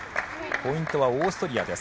ポイントはオーストリアです。